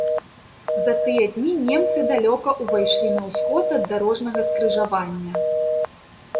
За тыя дні немцы далёка ўвайшлі на ўсход ад дарожнага скрыжавання.